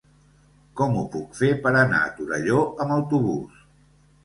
Com ho puc fer per anar a Torelló amb autobús?